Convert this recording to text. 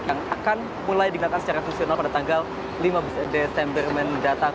yang akan mulai digunakan secara fungsional pada tanggal lima desember mendatang